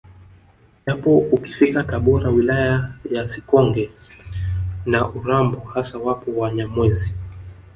Japo ukifika Tabora wilaya ya Sikonge na Urambo hasa wapo Wanyamwezi